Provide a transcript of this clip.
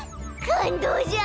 感動じゃ！